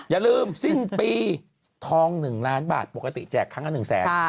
อย่าลืมสิ้นปีทอง๑ล้านบาทปกติแจกครั้งละ๑แสน